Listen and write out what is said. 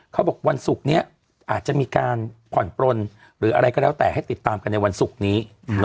เขาบอกวันศุกร์นี้อาจจะมีการผ่อนปลนหรืออะไรก็แล้วแต่ให้ติดตามกันในวันศุกร์นี้